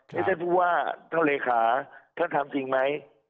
เธอร์พูดว่าท่านลิขาท่านทำสิ่งมั้ย